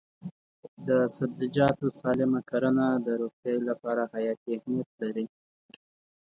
د سبزیجاتو سالم کرنه د روغتیا لپاره حیاتي اهمیت لري.